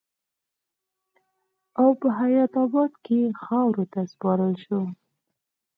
او پۀ حيات اباد کښې خاورو ته وسپارل شو